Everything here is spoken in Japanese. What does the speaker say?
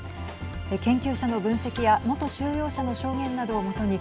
研究者の分析や元収容者の証言などをもとに